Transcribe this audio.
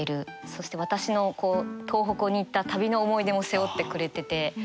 そして私の東北に行った旅の思い出も背負ってくれてて。